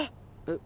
え？